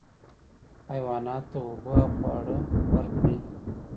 حیواناتو ته اوبه او خواړه ورکړئ.